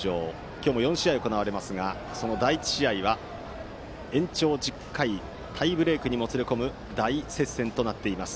今日も４試合が行われますがその第１試合は延長１０回タイブレークにもつれ込む大接戦となっています。